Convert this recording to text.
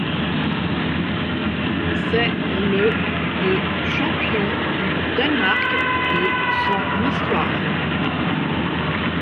C'est le de champion du Danemark de son histoire.